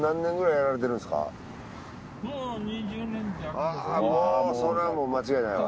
あぁもうそれはもう間違いないわ。